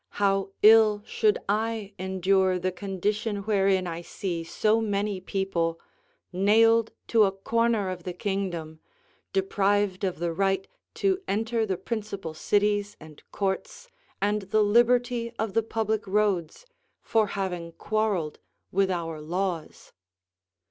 how ill should I endure the condition wherein I see so many people, nailed to a corner of the kingdom, deprived of the right to enter the principal cities and courts, and the liberty of the public roads, for having quarrelled with our laws.